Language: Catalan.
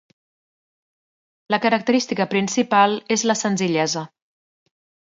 La característica principal és la senzillesa.